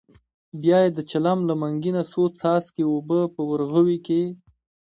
بیا یې د چلم له منګي نه څو څاڅکي اوبه په ورغوي کې.